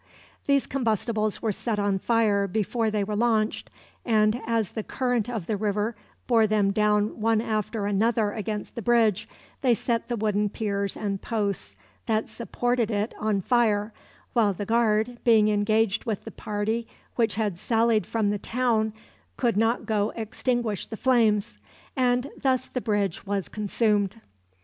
These combustibles were set on fire before they were launched, and, as the current of the river bore them down one after another against the bridge, they set the wooden piers and posts that supported it on fire, while the guard, being engaged with the party which had sallied from the town, could not go to extinguish the flames, and thus the bridge was consumed.